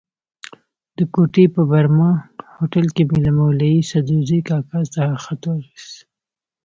د کوټې په برمه هوټل کې مې له مولوي سدوزي کاکا څخه خط واخیست.